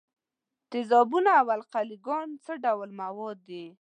تیزابونه او القلې ګانې څه ډول مواد دي؟